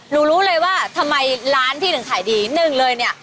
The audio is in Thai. รู้เลยว่าทำไมร้านพี่ถึงขายดีหนึ่งเลยเนี่ย